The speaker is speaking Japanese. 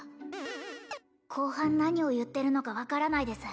後半何を言ってるのか分からないです